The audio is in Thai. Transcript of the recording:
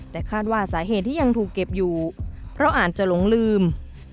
แต่คาดว่าสาเหตุที่ยังถูกเก็บอยู่เพราะอาจจะหลงลืม